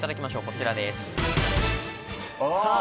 こちらです。